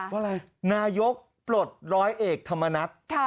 เพราะอะไรนายกปลดร้อยเอกธรรมนัฐ